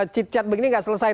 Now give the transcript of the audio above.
cip cet begini gak selesai